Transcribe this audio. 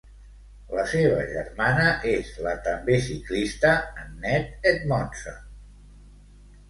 La seva germana és la també ciclista Annette Edmondson.